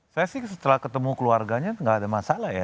saya sih setelah ketemu keluarganya nggak ada masalah ya